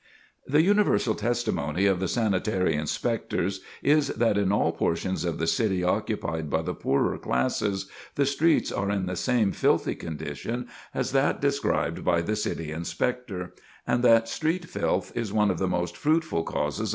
The universal testimony of the sanitary inspectors is that in all portions of the city occupied by the poorer classes, the streets are in the same filthy condition as that described by the City Inspector, and, that street filth is one of the most fruitful causes of disease.